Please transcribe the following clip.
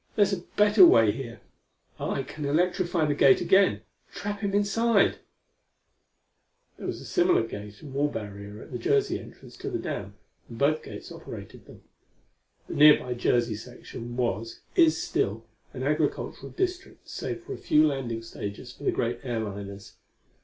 There's a better way here: I can electrify the gate again trap him inside." [Footnote 5: There was a similar gate and wall barrier at the Jersey entrance to the dam, and both gates operated together. The nearby Jersey section was, is still, an agricultural district save for a few landing stages for the great airliners.